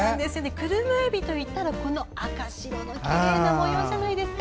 クルマエビといったら赤白のきれいな模様じゃないですか。